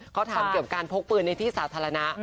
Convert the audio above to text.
เขาทำเกี่ยวกับการพกปืนในที่สาธารณะ